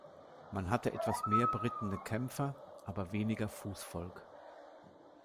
Man hatte etwas mehr berittene Kämpfer, aber weniger Fußvolk.